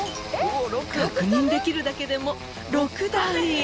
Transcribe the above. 確認できるだけでも６台！